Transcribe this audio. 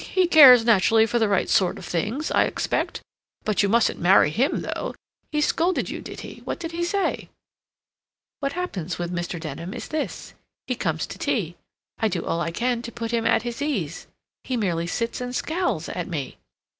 He cares, naturally, for the right sort of things, I expect. But you mustn't marry him, though. He scolded you, did he—what did he say?" "What happens with Mr. Denham is this: He comes to tea. I do all I can to put him at his ease. He merely sits and scowls at me.